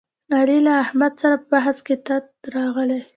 علي له احمد سره په بحث کې تت راغلی.